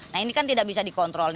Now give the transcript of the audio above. nah ini kan tidak bisa dikontrol